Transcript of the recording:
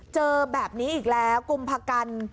เจอแบบนี้อีกแล้วกุมภากัน